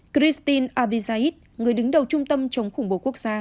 christin abizaid người đứng đầu trung tâm chống khủng bố quốc gia